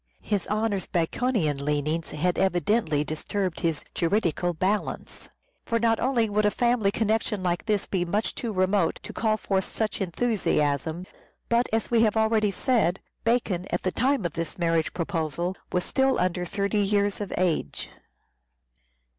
His Honour's 446 "SHAKESPEARE" IDENTIFIED Baconian leanings had evidently disturbed his juridical balance ; for not only would a family connection like this be much too remote to call forth such enthusiasm, but, as we have already said, Bacon, at the time of this marriage proposal was still under thirty years of age.